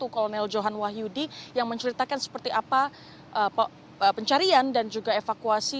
kolonel johan wahyudi yang menceritakan seperti apa pencarian dan juga evakuasi